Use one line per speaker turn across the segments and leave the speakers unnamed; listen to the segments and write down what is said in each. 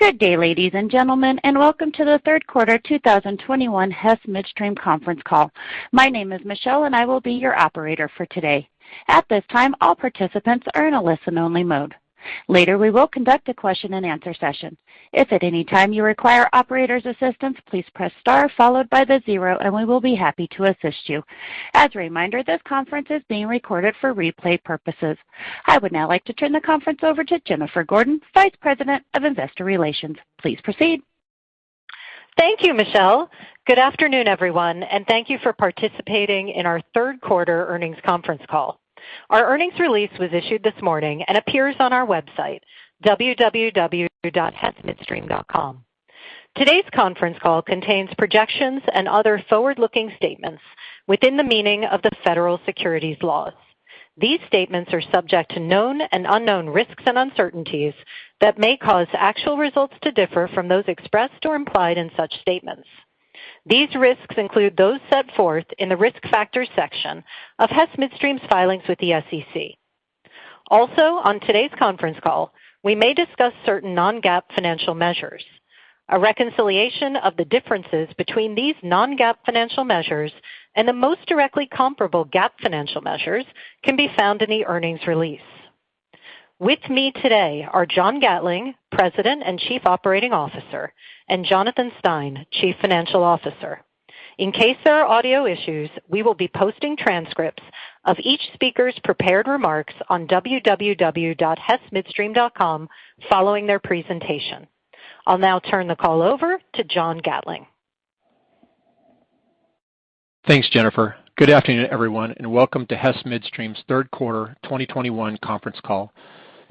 Good day, ladies and gentlemen, and welcome to the third quarter 2021 Hess Midstream conference call. My name is Michelle, and I will be your operator for today. At this time, all participants are in a listen-only mode. Later, we will conduct a question-and-answer session. If at any time you require operator's assistance, please press star followed by the zero, and we will be happy to assist you. As a reminder, this conference is being recorded for replay purposes. I would now like to turn the conference over to Jennifer Gordon, Vice President of Investor Relations. Please proceed.
Thank you, Michelle. Good afternoon, everyone, and thank you for participating in our third quarter earnings conference call. Our earnings release was issued this morning and appears on our website, www.hessmidstream.com. Today's conference call contains projections and other forward-looking statements within the meaning of the federal securities laws. These statements are subject to known and unknown risks and uncertainties that may cause actual results to differ from those expressed or implied in such statements. These risks include those set forth in the Risk Factors section of Hess Midstream's filings with the SEC. Also, on today's conference call, we may discuss certain non-GAAP financial measures. A reconciliation of the differences between these non-GAAP financial measures and the most directly comparable GAAP financial measures can be found in the earnings release. With me today are John Gatling, President and Chief Operating Officer, and Jonathan Stein, Chief Financial Officer. In case there are audio issues, we will be posting transcripts of each speaker's prepared remarks on www.hessmidstream.com following their presentation. I'll now turn the call over to John Gatling.
Thanks, Jennifer. Good afternoon, everyone, and welcome to Hess Midstream's third quarter 2021 conference call.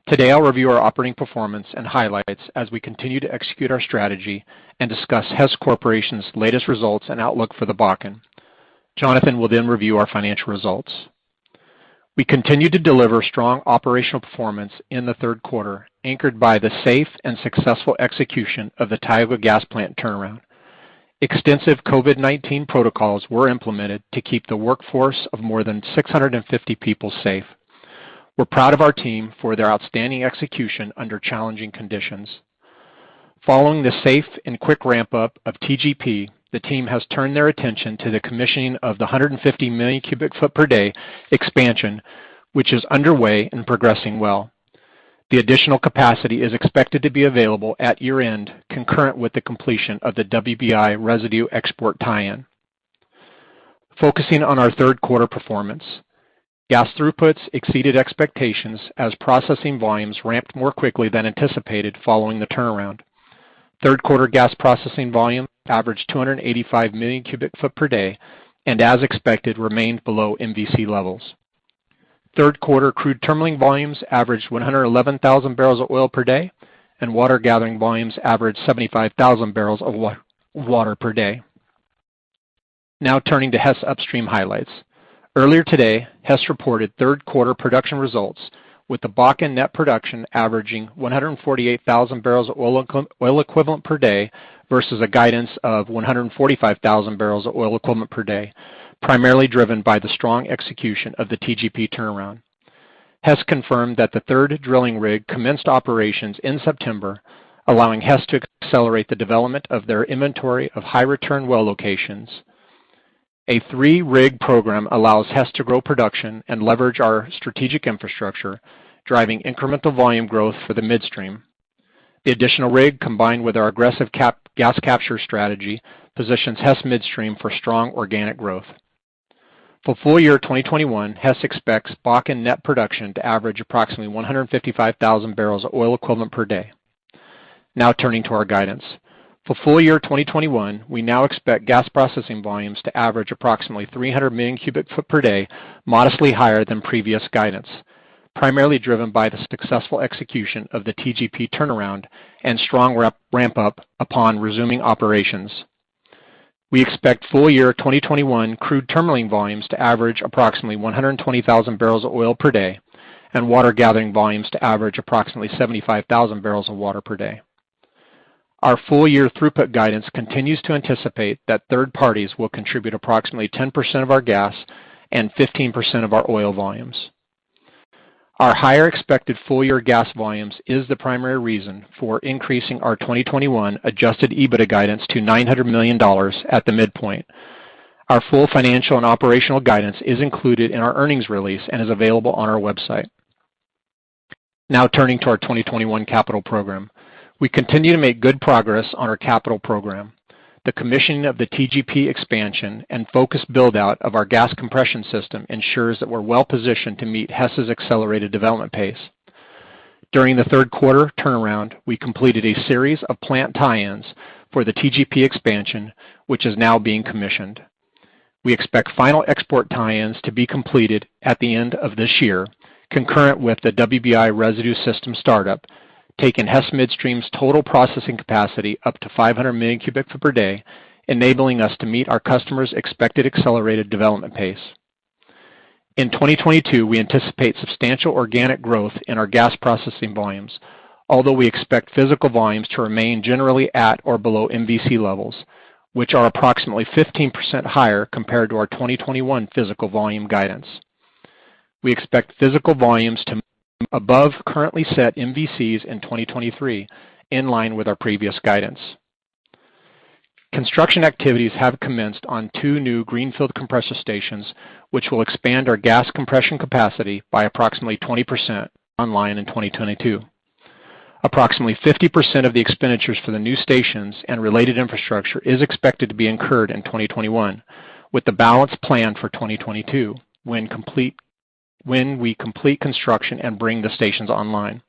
Today, I'll review our operating performance and highlights as we continue to execute our strategy and discuss Hess Corporation's latest results and outlook for the Bakken. Jonathan will then review our financial results. We continue to deliver strong operational performance in the third quarter, anchored by the safe and successful execution of the Tioga Gas Plant turnaround. Extensive COVID-19 protocols were implemented to keep the workforce of more than 650 people safe. We're proud of our team for their outstanding execution under challenging conditions. Following the safe and quick ramp-up of TGP, the team has turned their attention to the commissioning of the 150 MMcfpd expansion, which is underway and progressing well. The additional capacity is expected to be available at year-end, concurrent with the completion of the WBI residue export tie-in. Focusing on our third quarter performance, gas throughputs exceeded expectations as processing volumes ramped more quickly than anticipated following the turnaround. Third quarter gas processing volume averaged 285 MMcfpd, and as expected, remained below MVC levels. Third quarter crude terminal volumes averaged 111,000 boepd, and water gathering volumes averaged 75,000 bwpd. Now turning to Hess upstream highlights. Earlier today, Hess reported third quarter production results with the Bakken net production averaging 148,000 boepd versus a guidance of 145,000 boepd, primarily driven by the strong execution of the TGP turnaround. Hess confirmed that the third drilling rig commenced operations in September, allowing Hess to accelerate the development of their inventory of high-return well locations. A three-rig program allows Hess to grow production and leverage our strategic infrastructure, driving incremental volume growth for the midstream. The additional rig, combined with our aggressive cap-gas capture strategy, positions Hess Midstream for strong organic growth. For full year 2021, Hess expects Bakken net production to average approximately 155,000 boepd. Now turning to our guidance. For full year 2021, we now expect gas processing volumes to average approximately 300 MMcfpd, modestly higher than previous guidance, primarily driven by the successful execution of the TGP turnaround and strong ramp-up upon resuming operations. We expect full year 2021 crude terminal volumes to average approximately 120,000 boepd and water gathering volumes to average approximately 75,000 bwpd. Our full year throughput guidance continues to anticipate that third parties will contribute approximately 10% of our gas and 15% of our oil volumes. Our higher expected full year gas volumes is the primary reason for increasing our 2021 Adjusted EBITDA guidance to $900 million at the midpoint. Our full financial and operational guidance is included in our earnings release and is available on our website. Now turning to our 2021 capital program. We continue to make good progress on our capital program. The commissioning of the TGP expansion and focused build-out of our gas compression system ensures that we're well-positioned to meet Hess's accelerated development pace. During the third quarter turnaround, we completed a series of plant tie-ins for the TGP expansion, which is now being commissioned. We expect final export tie-ins to be completed at the end of this year, concurrent with the WBI residue system startup, taking Hess Midstream's total processing capacity up to 500 MMcfpd, enabling us to meet our customers' expected accelerated development pace. In 2022, we anticipate substantial organic growth in our gas processing volumes, although we expect physical volumes to remain generally at or below MVC levels, which are approximately 15% higher compared to our 2021 physical volume guidance. We expect physical volumes to be above currently set MVCs in 2023, in line with our previous guidance. Construction activities have commenced on two new greenfield compressor stations, which will expand our gas compression capacity by approximately 20% online in 2022. Approximately 50% of the expenditures for the new stations and related infrastructure is expected to be incurred in 2021, with the balance planned for 2022 when we complete construction and bring the stations online.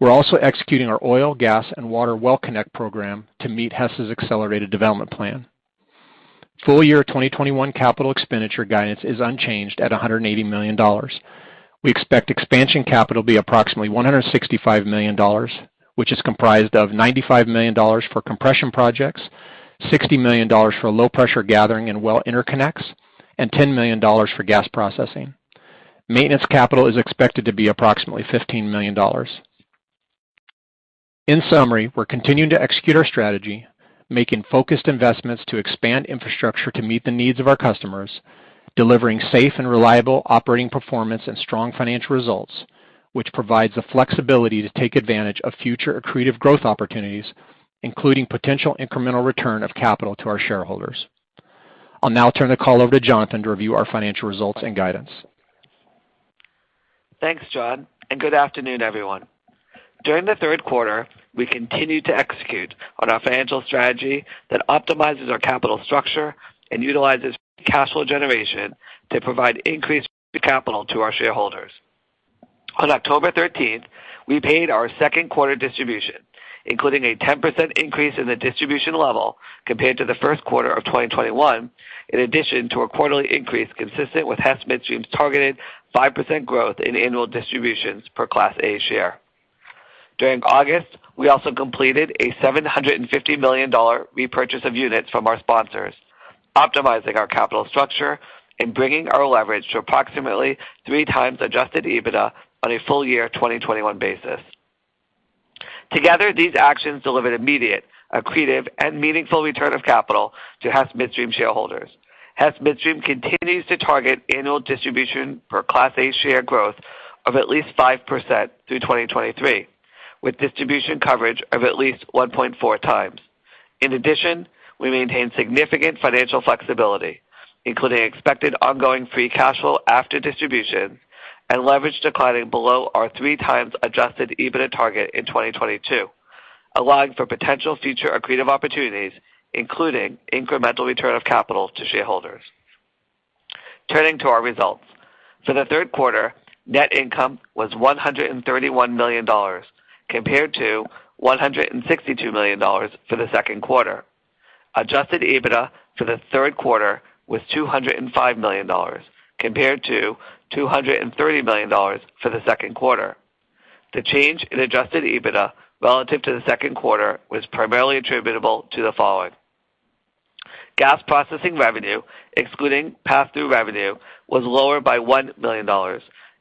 We're also executing our oil, gas, and water WellConnect program to meet Hess's accelerated development plan. Full year 2021 capital expenditure guidance is unchanged at $180 million. We expect expansion capital be approximately $165 million, which is comprised of $95 million for compression projects, $60 million for low pressure gathering and well interconnects, and $10 million for gas processing. Maintenance capital is expected to be approximately $15 million. In summary, we're continuing to execute our strategy, making focused investments to expand infrastructure to meet the needs of our customers, delivering safe and reliable operating performance and strong financial results, which provides the flexibility to take advantage of future accretive growth opportunities, including potential incremental return of capital to our shareholders. I'll now turn the call over to Jonathan to review our financial results and guidance.
Thanks, John, and good afternoon, everyone. During the third quarter, we continued to execute on our financial strategy that optimizes our capital structure and utilizes cash flow generation to provide increased capital to our shareholders. On October 13, we paid our second quarter distribution, including a 10% increase in the distribution level compared to the first quarter of 2021, in addition to a quarterly increase consistent with Hess Midstream's targeted 5% growth in annual distributions per Class A share. During August, we also completed a $750 million repurchase of units from our sponsors, optimizing our capital structure and bringing our leverage to approximately 3x Adjusted EBITDA on a full year 2021 basis. Together, these actions delivered immediate, accretive, and meaningful return of capital to Hess Midstream shareholders. Hess Midstream continues to target annual distribution per Class A share growth of at least 5% through 2023, with distribution coverage of at least 1.4x. In addition, we maintain significant financial flexibility, including expected ongoing free cash flow after distribution and leverage declining below our 3x adjusted EBITDA target in 2022, allowing for potential future accretive opportunities, including incremental return of capital to shareholders. Turning to our results, for the third quarter, net income was $131 million compared to $162 million for the second quarter. Adjusted EBITDA for the third quarter was $205 million compared to $230 million for the second quarter. The change in Adjusted EBITDA relative to the second quarter was primarily attributable to the following. Gas processing revenue, excluding pass-through revenue, was lower by $1 million,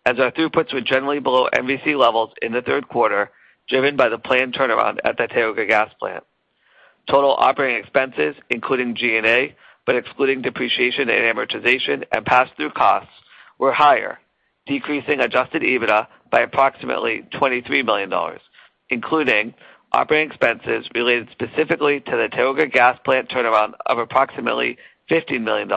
as our throughputs were generally below MVC levels in the third quarter, driven by the planned turnaround at the Tioga Gas Plant. Total operating expenses, including G&A, but excluding depreciation and amortization and pass-through costs, were higher, decreasing Adjusted EBITDA by approximately $23 million, including operating expenses related specifically to the Tioga Gas Plant turnaround of approximately $15 million,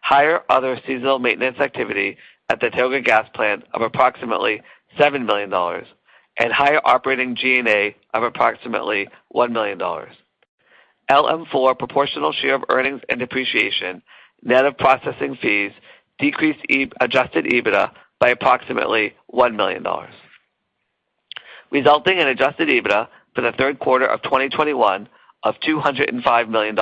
higher other seasonal maintenance activity at the Tioga Gas Plant of approximately $7 million, and higher operating G&A of approximately $1 million. Little Missouri 4 proportional share of earnings and depreciation, net of processing fees, decreased Adjusted EBITDA by approximately $1 million, resulting in Adjusted EBITDA for the third quarter of 2021 of $205 million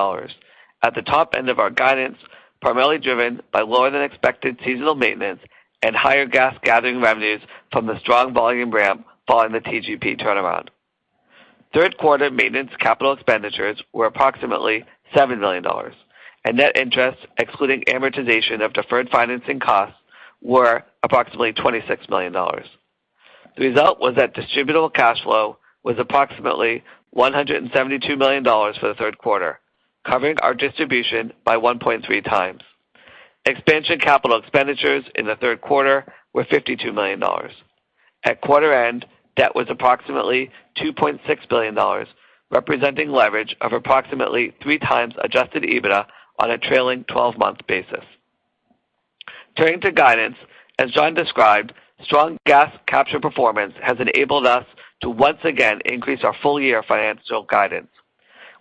at the top end of our guidance, primarily driven by lower than expected seasonal maintenance and higher gas gathering revenues from the strong volume ramp following the TGP turnaround. Third quarter maintenance capital expenditures were approximately $7 million, and net interest, excluding amortization of deferred financing costs, were approximately $26 million. The result was that distributable cash flow was approximately $172 million for the third quarter, covering our distribution by 1.3x. Expansion capital expenditures in the third quarter were $52 million. At quarter end, debt was approximately $2.6 billion, representing leverage of approximately 3x Adjusted EBITDA on a trailing twelve-month basis. Turning to guidance, as John described, strong gas capture performance has enabled us to once again increase our full-year financial guidance.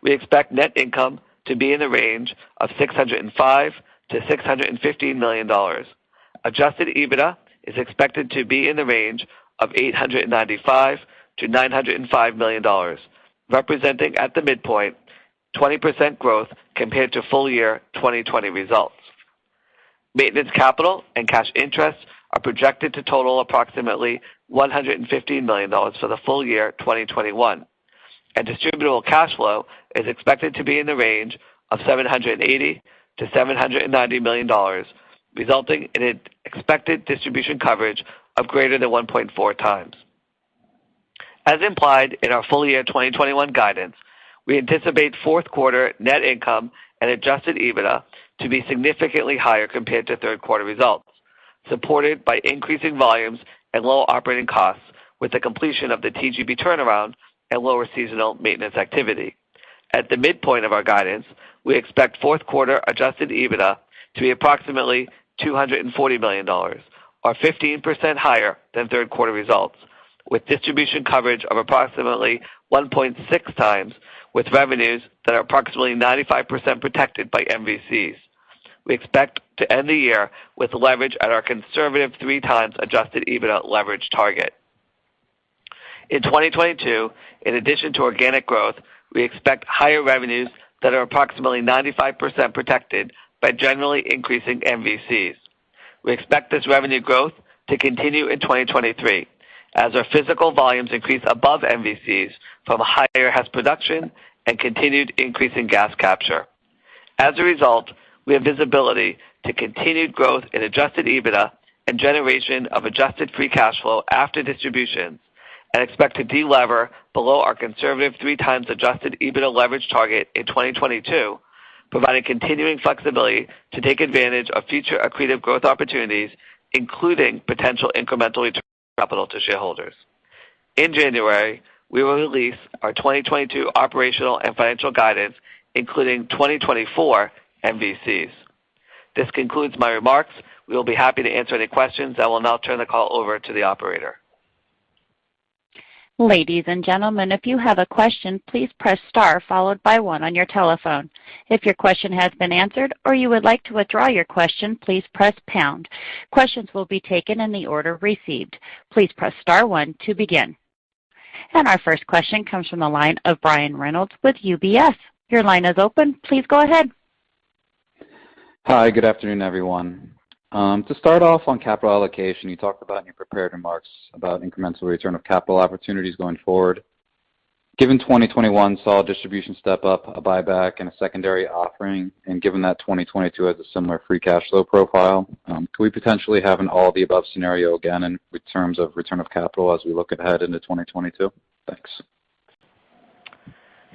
We expect net income to be in the range of $605 million-$650 million. Adjusted EBITDA is expected to be in the range of $895 million-$905 million, representing at the midpoint 20% growth compared to full-year 2020 results. Maintenance capital and cash interest are projected to total approximately $115 million for the full year 2021, and distributable cash flow is expected to be in the range of $780 million-$790 million, resulting in an expected distribution coverage of greater than 1.4x. As implied in our full year 2021 guidance, we anticipate fourth quarter net income and Adjusted EBITDA to be significantly higher compared to third quarter results, supported by increasing volumes and low operating costs with the completion of the TGP turnaround and lower seasonal maintenance activity. At the midpoint of our guidance, we expect fourth quarter Adjusted EBITDA to be approximately $240 million or 15% higher than third quarter results, with distribution coverage of approximately 1.6x with revenues that are approximately 95% protected by MVCs. We expect to end the year with leverage at our conservative 3x Adjusted EBITDA leverage target. In 2022, in addition to organic growth, we expect higher revenues that are approximately 95% protected by generally increasing MVCs. We expect this revenue growth to continue in 2023 as our physical volumes increase above MVCs from higher Hess production and continued increase in gas capture. As a result, we have visibility to continued growth in Adjusted EBITDA and generation of adjusted free cash flow after distribution and expect to de-lever below our conservative 3x adjusted EBITDA leverage target in 2022, providing continuing flexibility to take advantage of future accretive growth opportunities, including potential incremental return of capital to shareholders. In January, we will release our 2022 operational and financial guidance, including 2024 MVCs. This concludes my remarks. We will be happy to answer any questions. I will now turn the call over to the operator.
Ladies and gentlemen, if you have a question, please press star followed by one on your telephone. If your question has been answered or you would like to withdraw your question, please press pound. Questions will be taken in the order received. Please press star one to begin. Our first question comes from the line of Brian Reynolds with UBS. Your line is open. Please go ahead.
Hi. Good afternoon, everyone. To start off on capital allocation, you talked about in your prepared remarks about incremental return of capital opportunities going forward. Given 2021 saw a distribution step up, a buyback and a secondary offering, and given that 2022 has a similar free cash flow profile, could we potentially have an all the above scenario again in terms of return of capital as we look ahead into 2022? Thanks.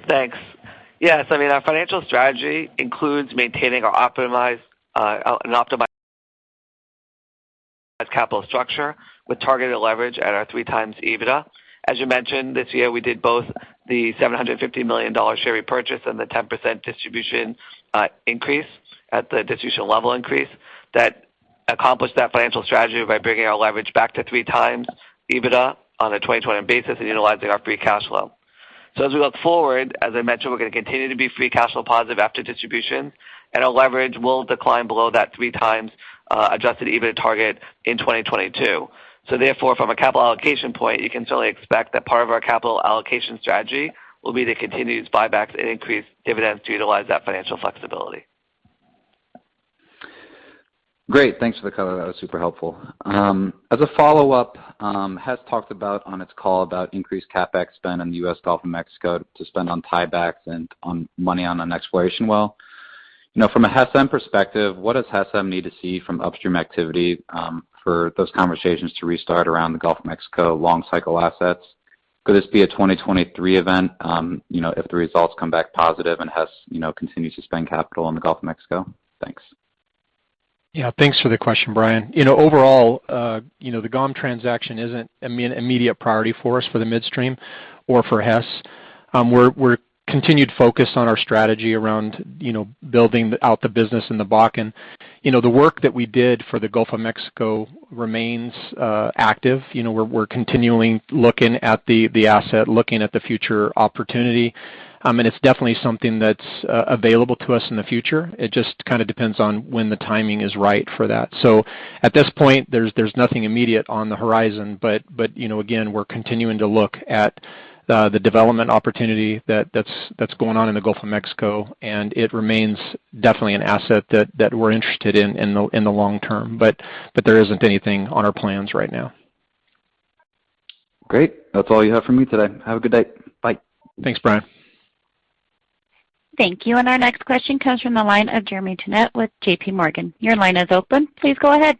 Thanks. Yes. I mean, our financial strategy includes maintaining an optimized capital structure with targeted leverage at our 3x EBITDA. As you mentioned, this year, we did both the $750 million share repurchase and the 10% distribution increase at the distribution level that accomplished that financial strategy by bringing our leverage back to 3x EBITDA on a 2020 basis and utilizing our free cash flow. As we look forward, as I mentioned, we're gonna continue to be free cash flow positive after distribution, and our leverage will decline below that 3x Adjusted EBITDA target in 2022. Therefore, from a capital allocation point, you can certainly expect that part of our capital allocation strategy will be to continue to use buybacks and increase dividends to utilize that financial flexibility.
Great. Thanks for the color. That was super helpful. As a follow-up, Hess talked about on its call about increased CapEx spend in the U.S., Gulf of Mexico to spend on tiebacks and on money on an exploration well. You know, from a HESM perspective, what does HESM need to see from upstream activity, for those conversations to restart around the Gulf of Mexico long cycle assets? Could this be a 2023 event, you know, if the results come back positive and Hess, you know, continues to spend capital on the Gulf of Mexico? Thanks.
Yeah. Thanks for the question, Brian. You know, overall, you know, the GOM transaction isn't immediate priority for us for the midstream or for Hess. We're continually focused on our strategy around, you know, building out the business in the Bakken. You know, the work that we did for the Gulf of Mexico remains active. You know, we're continually looking at the asset, looking at the future opportunity. And it's definitely something that's available to us in the future. It just kinda depends on when the timing is right for that. At this point, there's nothing immediate on the horizon. You know, again, we're continuing to look at the development opportunity that's going on in the Gulf of Mexico, and it remains definitely an asset that we're interested in in the long term. There isn't anything on our plans right now.
Great. That's all you have from me today. Have a good day. Bye.
Thanks, Brian.
Thank you. Our next question comes from the line of Jeremy Tonet with JPMorgan. Your line is open. Please go ahead.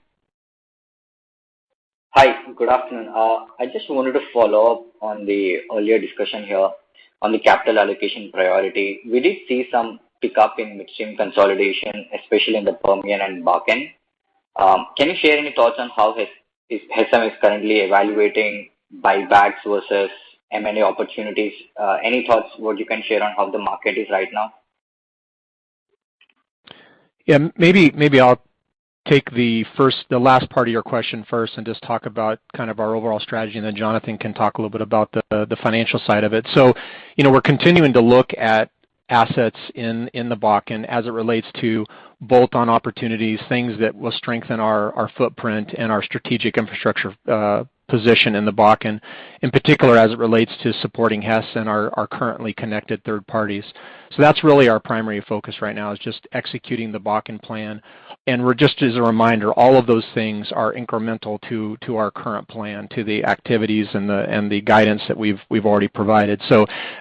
Hi. Good afternoon. I just wanted to follow up on the earlier discussion here on the capital allocation priority. We did see some pickup in midstream consolidation, especially in the Permian and Bakken. Can you share any thoughts on how HESM is currently evaluating buybacks versus M&A opportunities? Any thoughts what you can share on how the market is right now?
Yeah, maybe I'll take the last part of your question first and just talk about kind of our overall strategy, and then Jonathan can talk a little bit about the financial side of it. You know, we're continuing to look at assets in the Bakken as it relates to bolt-on opportunities, things that will strengthen our footprint and our strategic infrastructure position in the Bakken, in particular as it relates to supporting Hess and our currently connected third parties. That's really our primary focus right now is just executing the Bakken plan. Just as a reminder, all of those things are incremental to our current plan, to the activities and the guidance that we've already provided.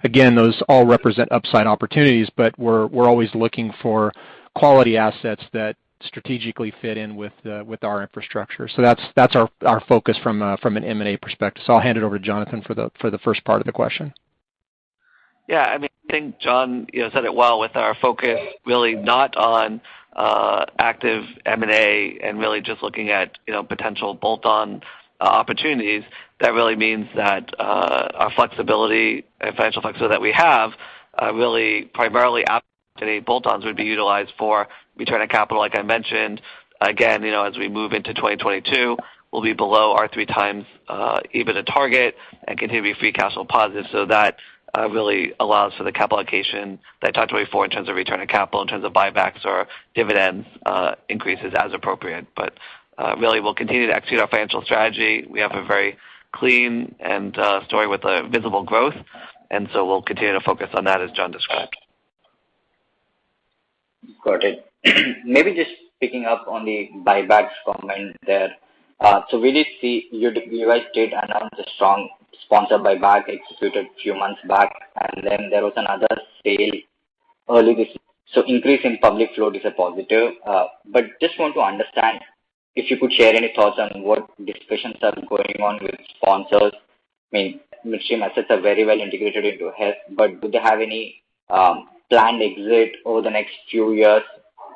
Again, those all represent upside opportunities, but we're always looking for quality assets that strategically fit in with our infrastructure. That's our focus from an M&A perspective. I'll hand it over to Jonathan for the first part of the question.
Yeah. I mean, I think John, you know, said it well with our focus really not on active M&A and really just looking at, you know, potential bolt-on opportunities. That really means that our flexibility and financial flexibility that we have really primarily today, bolt-ons would be utilized for return of capital, like I mentioned. Again, you know, as we move into 2022, we'll be below our 3x EBITDA target and continue to be free cash flow positive. That really allows for the capital allocation that I talked to before in terms of return of capital, in terms of buybacks or dividends increases as appropriate. Really, we'll continue to execute our financial strategy. We have a very clean and story with visible growth. We'll continue to focus on that as John described.
Got it. Maybe just picking up on the buybacks comment there. We did see you guys did announce a strong sponsor buyback executed a few months back, and then there was another sale early this year. Increase in public float is a positive. Just want to understand if you could share any thoughts on what discussions are going on with sponsors. I mean, Midstream assets are very well integrated into Hess, but do they have any planned exit over the next few years,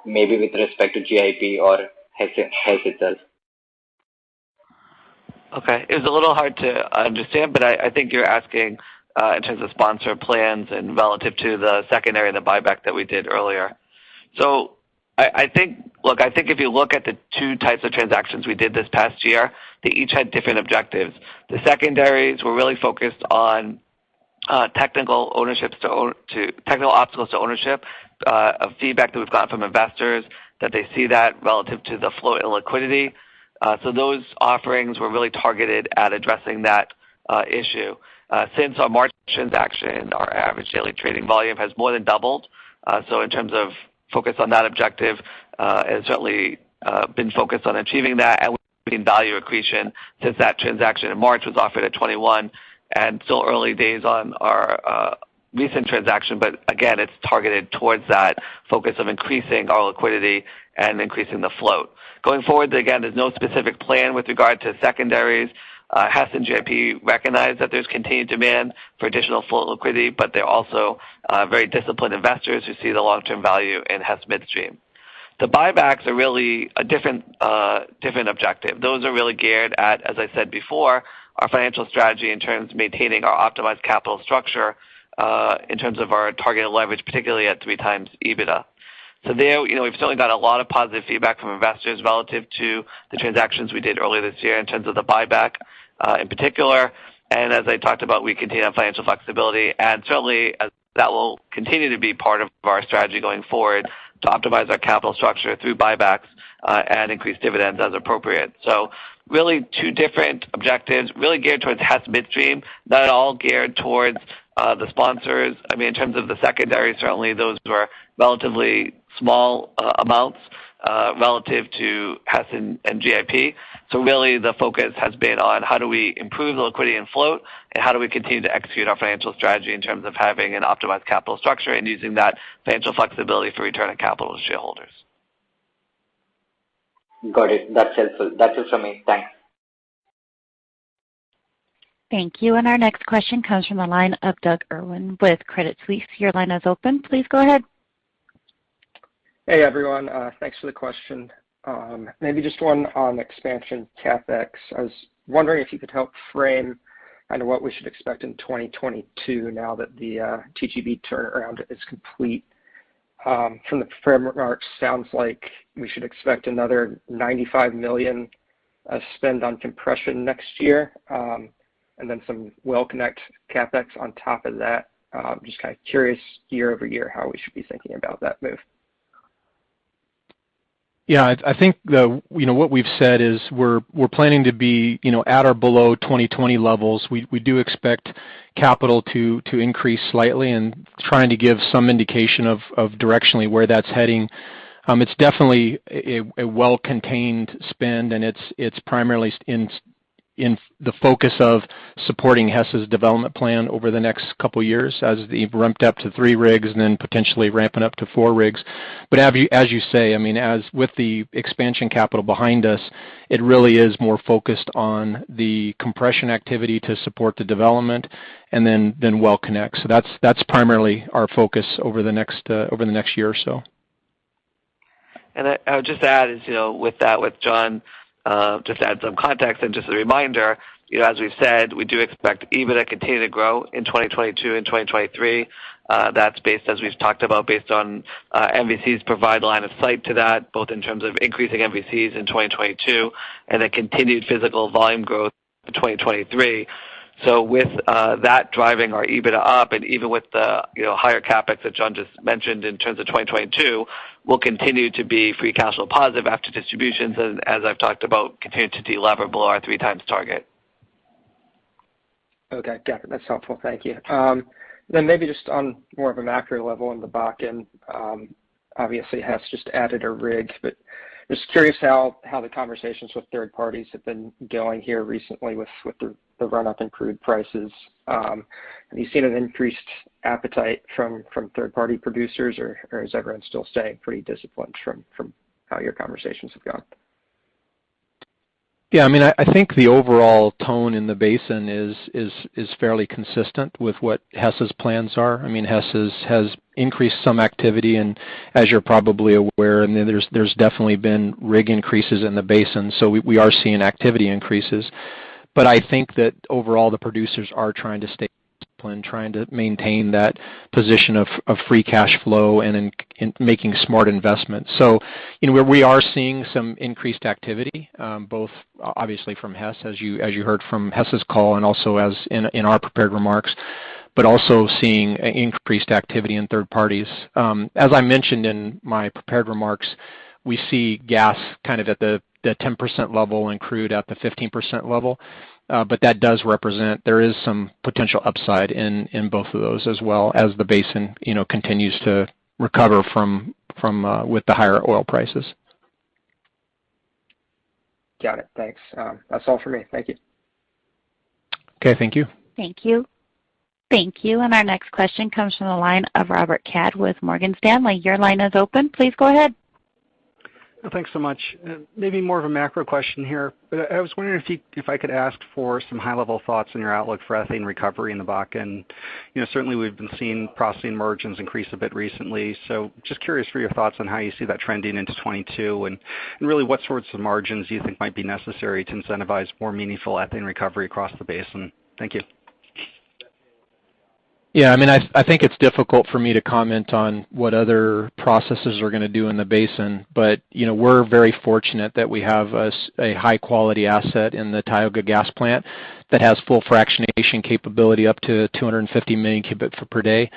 maybe with respect to GIP or Hess itself?
Okay. It's a little hard to understand, but I think you're asking in terms of sponsor plans and relative to the secondary, the buyback that we did earlier. Look, I think if you look at the two types of transactions we did this past year, they each had different objectives. The secondaries were really focused on technical obstacles to ownership of feedback that we've gotten from investors that they see that relative to the flow in liquidity. Those offerings were really targeted at addressing that issue. Since our March transaction, our average daily trading volume has more than doubled. In terms of focus on that objective, and certainly been focused on achieving that and seeing value accretion since that transaction in March was offered at 2021. Still early days on our recent transaction. Again, it's targeted towards that focus of increasing our liquidity and increasing the float. Going forward, again, there's no specific plan with regard to secondaries. Hess and GIP recognize that there's continued demand for additional float liquidity, but they're also very disciplined investors who see the long-term value in Hess Midstream. The buybacks are really a different objective. Those are really geared at, as I said before, our financial strategy in terms of maintaining our optimized capital structure in terms of our targeted leverage, particularly at 3x EBITDA. There, you know, we've certainly got a lot of positive feedback from investors relative to the transactions we did earlier this year in terms of the buyback in particular. As I talked about, we continue to have financial flexibility, and certainly that will continue to be part of our strategy going forward to optimize our capital structure through buybacks and increase dividends as appropriate. Really two different objectives really geared towards Hess Midstream, not at all geared towards the sponsors. I mean, in terms of the secondary, certainly those were relatively small amounts relative to Hess and GIP. Really the focus has been on how do we improve the liquidity and float and how do we continue to execute our financial strategy in terms of having an optimized capital structure and using that financial flexibility for return of capital to shareholders.
Got it. That's helpful. That's it for me. Thanks.
Thank you. Our next question comes from the line of Douglas Irwin with Credit Suisse. Your line is open. Please go ahead.
Hey, everyone. Thanks for the question. Maybe just one on expansion CapEx. I was wondering if you could help frame kind of what we should expect in 2022 now that the TGP turnaround is complete. From the prepared remarks, sounds like we should expect another $95 million spend on compression next year, and then some WellConnect CapEx on top of that. Just kind of curious year-over-year how we should be thinking about that move.
Yeah. I think you know, what we've said is we're planning to be you know, at or below 2020 levels. We do expect capital to increase slightly and trying to give some indication of directionally where that's heading. It's definitely a well-contained spend, and it's primarily the focus of supporting Hess's development plan over the next couple years as they've ramped up to three rigs and then potentially ramping up to four rigs. As you say, I mean, as with the expansion capital behind us, it really is more focused on the compression activity to support the development and then WellConnect. That's primarily our focus over the next year or so.
I would just add, you know, with that, with John, just to add some context and just a reminder, you know, as we've said, we do expect EBITDA to continue to grow in 2022 and 2023. That's based, as we've talked about, based on, MVCs provide line of sight to that, both in terms of increasing MVCs in 2022 and a continued physical volume growth in 2023. With that driving our EBITDA up and even with the, you know, higher CapEx that John just mentioned in terms of 2022, we'll continue to be free cash flow positive after distributions, and as I've talked about, continue to de-lever below our three times target.
Okay. Got it. That's helpful. Thank you. Maybe just on more of a macro level on the back end, obviously Hess just added a rig, but just curious how the conversations with third parties have been going here recently with the run up in crude prices. Have you seen an increased appetite from third party producers or is everyone still staying pretty disciplined from how your conversations have gone?
Yeah, I mean, I think the overall tone in the basin is fairly consistent with what Hess's plans are. I mean, Hess's has increased some activity and as you're probably aware, and then there's definitely been rig increases in the basin. We are seeing activity increases. I think that overall the producers are trying to stay on plan, trying to maintain that position of free cash flow and in making smart investments. You know, we are seeing some increased activity, both obviously from Hess, as you heard from Hess's call, and also in our prepared remarks, but also seeing increased activity in third parties. As I mentioned in my prepared remarks, we see gas kind of at the 10% level and crude at the 15% level. That does represent there is some potential upside in both of those, as well as the basin, you know, continues to recover from with the higher oil prices.
Got it. Thanks. That's all for me. Thank you.
Okay. Thank you.
Thank you. Thank you. Our next question comes from the line of Robert Kad with Morgan Stanley. Your line is open. Please go ahead.
Thanks so much. Maybe more of a macro question here, but I was wondering if I could ask for some high-level thoughts on your outlook for ethane recovery in the Bakken. You know, certainly we've been seeing processing margins increase a bit recently, so just curious for your thoughts on how you see that trending into 2022, and really what sorts of margins you think might be necessary to incentivize more meaningful ethane recovery across the basin. Thank you.
Yeah, I mean, I think it's difficult for me to comment on what other producers are gonna do in the basin. You know, we're very fortunate that we have a high quality asset in the Tioga Gas Plant that has full fractionation capability up to 250 MMcfpd,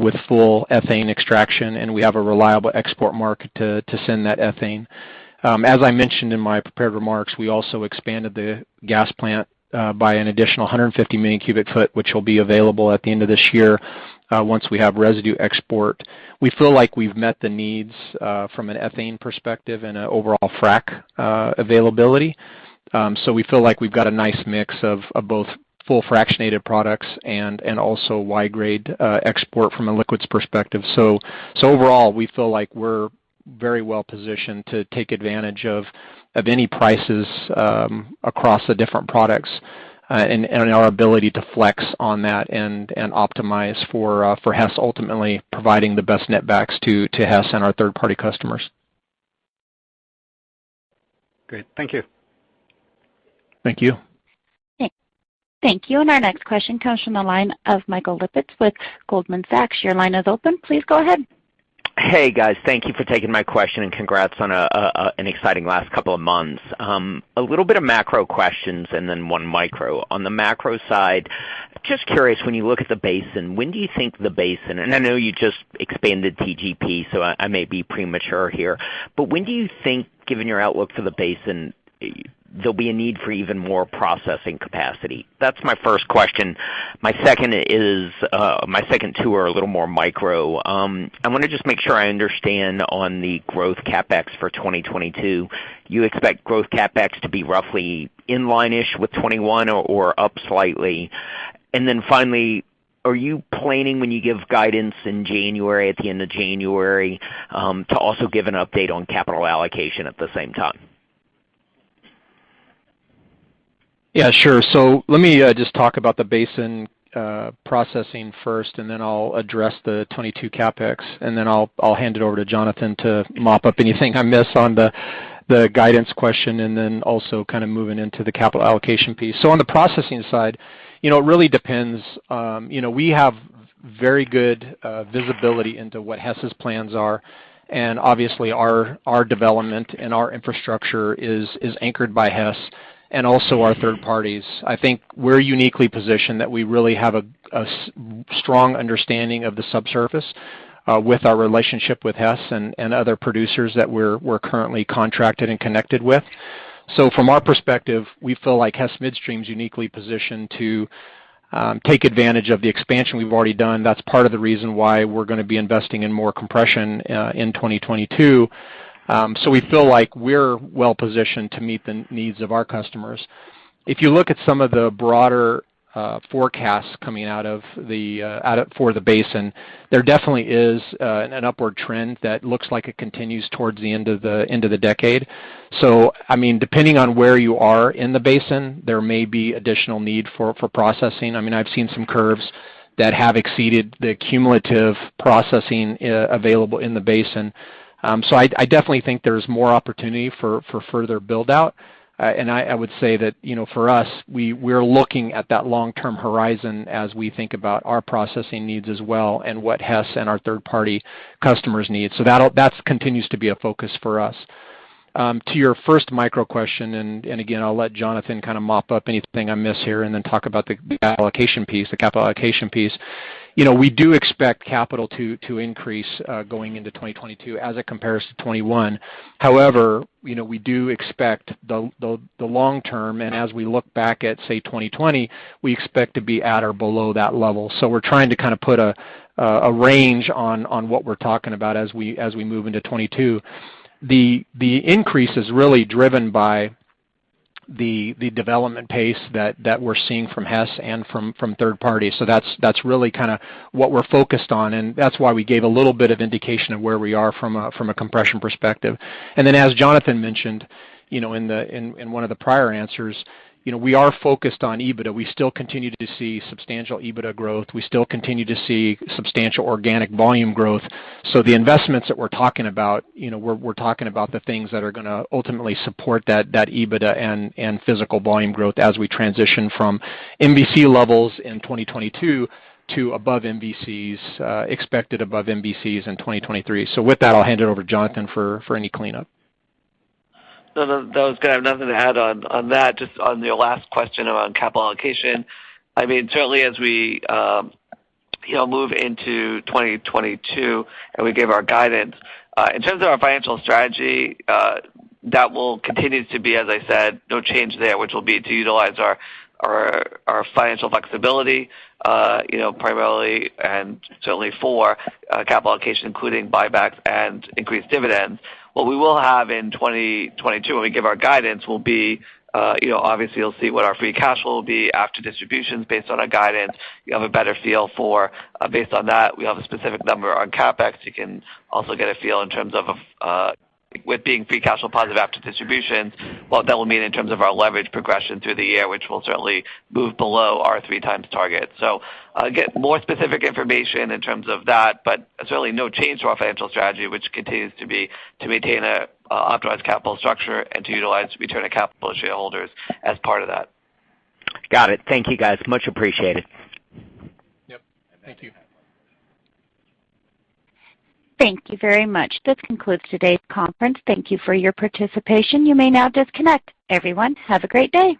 with full ethane extraction, and we have a reliable export market to send that ethane. As I mentioned in my prepared remarks, we also expanded the gas plant by an additional 150 MMcfpd, which will be available at the end of this year once we have residue export. We feel like we've met the needs from an ethane perspective and an overall frac availability. We feel like we've got a nice mix of both fully fractionated products and also Y-grade export from a liquids perspective. Overall, we feel like we're very well positioned to take advantage of any prices across the different products, and our ability to flex on that and optimize for Hess ultimately providing the best net backs to Hess and our third-party customers.
Great. Thank you.
Thank you.
Thank you. Our next question comes from the line of Michael Lapides with Goldman Sachs. Your line is open. Please go ahead.
Hey, guys. Thank you for taking my question, and congrats on an exciting last couple of months. A little bit of macro questions and then one micro. On the macro side, just curious, when you look at the basin, I know you just expanded TGP, so I may be premature here. When do you think, given your outlook for the basin, there'll be a need for even more processing capacity? That's my first question. My second is, my second two are a little more micro. I wanna just make sure I understand on the growth CapEx for 2022. You expect growth CapEx to be roughly in line-ish with 2021 or up slightly. Finally, are you planning, when you give guidance in January, at the end of January, to also give an update on capital allocation at the same time?
Yeah, sure. Let me just talk about the basin processing first, and then I'll address the 2022 CapEx, and then I'll hand it over to Jonathan to mop up anything I miss on the guidance question, and then also kind of moving into the capital allocation piece. On the processing side, you know, it really depends. You know, we have very good visibility into what Hess's plans are. Obviously, our development and our infrastructure is anchored by Hess and also our third parties. I think we're uniquely positioned that we really have a strong understanding of the subsurface with our relationship with Hess and other producers that we're currently contracted and connected with. From our perspective, we feel like Hess Midstream's uniquely positioned to take advantage of the expansion we've already done. That's part of the reason why we're gonna be investing in more compression in 2022. We feel like we're well positioned to meet the needs of our customers. If you look at some of the broader forecasts coming out of for the basin, there definitely is an upward trend that looks like it continues towards the end of the decade. I mean, depending on where you are in the basin, there may be additional need for processing. I mean, I've seen some curves that have exceeded the cumulative processing available in the basin. I definitely think there's more opportunity for further build-out. I would say that, you know, for us, we're looking at that long-term horizon as we think about our processing needs as well and what Hess and our third-party customers need. That continues to be a focus for us. To your first macro question, again, I'll let Jonathan kind of mop up anything I miss here and then talk about the allocation piece, the capital allocation piece. You know, we do expect capital to increase going into 2022 as it compares to 2021. However, you know, we do expect the long term, and as we look back at, say, 2020, we expect to be at or below that level. We're trying to kind of put a range on what we're talking about as we move into 2022. The increase is really driven by the development pace that we're seeing from Hess and from third party. That's really kinda what we're focused on, and that's why we gave a little bit of indication of where we are from a compression perspective. As Jonathan mentioned, you know, in one of the prior answers, you know, we are focused on EBITDA. We still continue to see substantial EBITDA growth. We still continue to see substantial organic volume growth. The investments that we're talking about, you know, we're talking about the things that are gonna ultimately support that EBITDA and physical volume growth as we transition from MVC levels in 2022 to above MVCs, expected above MVCs in 2023. With that, I'll hand it over to Jonathan for any cleanup.
No, no, I was gonna have nothing to add on that. Just on your last question around capital allocation. I mean, certainly as we, you know, move into 2022 and we give our guidance, in terms of our financial strategy, that will continue to be, as I said, no change there, which will be to utilize our financial flexibility, you know, primarily and certainly for capital allocation, including buybacks and increased dividends. What we will have in 2022 when we give our guidance will be, you know, obviously you'll see what our free cash flow will be after distributions based on our guidance. You have a better feel for, based on that, we have a specific number on CapEx. You can also get a feel in terms of, with being free cash flow positive after distributions, what that will mean in terms of our leverage progression through the year, which will certainly move below our 3x target. I'll get more specific information in terms of that, but certainly no change to our financial strategy, which continues to be to maintain a optimized capital structure and to utilize return on capital to shareholders as part of that.
Got it. Thank you, guys. Much appreciated.
Yep. Thank you.
Thank you very much. This concludes today's conference. Thank you for your participation. You may now disconnect. Everyone, have a great day.